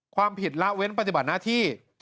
ความผิดละเว้นปฏิบัติหน้าที่